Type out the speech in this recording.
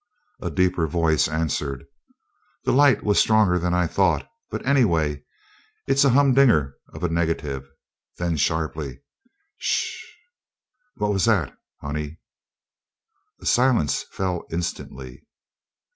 A deeper voice answered: "The light was stronger than I thought; but, anyway, it's a humdinger of a negative." Then, sharply, "Sh ss sh! What was that, Honey?" A silence fell instantly.